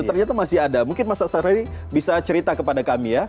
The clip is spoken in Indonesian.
itu ternyata masih ada mungkin mas asrari bisa cerita kepada kami ya